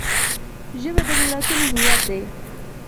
ژبه د ملتونو هویت دی